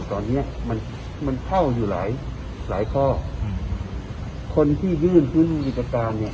ตอนเนี้ยมันมันเข้าอยู่หลายหลายข้ออืมคนที่ยื่นหุ้นกิจการเนี่ย